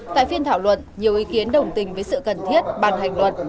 tại phiên thảo luận nhiều ý kiến đồng tình với sự cần thiết bàn hành luật